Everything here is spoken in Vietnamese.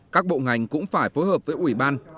các bộ ngành cũng phải phối hợp với ủy ban